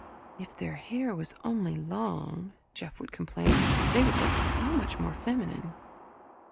"If their hair was only long," Jeff would complain, "they would look so much more feminine."